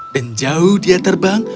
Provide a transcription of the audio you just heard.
dan jauh dia terbang